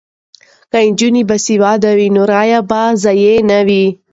که نجونې باسواده وي نو رایې به یې ضایع نه وي.